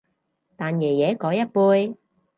但爺爺嗰一輩